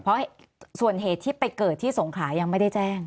เพราะส่วนเหตุที่ไปเกิดที่สงขลายังไม่ได้แจ้ง